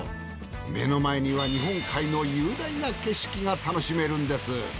目の前には日本海の雄大な景色が楽しめるんです。